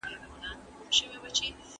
انسان بايد عادل وي.